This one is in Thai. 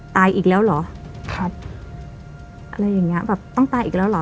ตายอีกแล้วเหรออะไรอย่างนี้ต้องตายอีกแล้วเหรอ